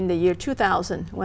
những câu chuyện